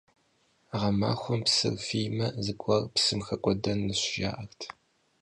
Гъэмахуэм псыр фиймэ, зыгуэр псым хэкӀуэдэнущ, жаӀэрт.